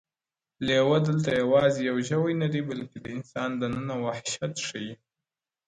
لېوه دلته يوازي يو ژوی نه دی بلکي د انسان دننه وحشت ښيي,